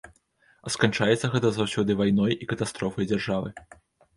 А сканчаецца гэта заўсёды вайной і катастрофай дзяржавы.